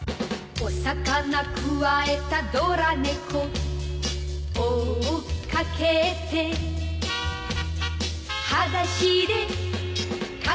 「お魚くわえたドラ猫」「追っかけて」「はだしでかけてく」